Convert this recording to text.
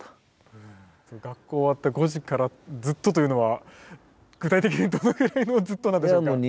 学校終わった５時からずっとというのは具体的にどのくらいのずっとなんでしょうか？